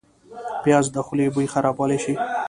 پیاز د خولې بوی خرابولی شي